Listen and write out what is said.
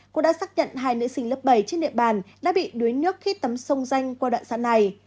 cô đã xác nhận hai nữ sinh lớp bảy trên địa bàn đã bị đuối nước khi tắm sông danh qua đoạn sản này